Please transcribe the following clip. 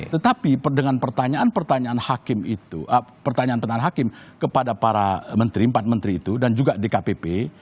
tetapi dengan pertanyaan pertanyaan hakim itu pertanyaan tentang hakim kepada para menteri empat menteri itu dan juga dkpp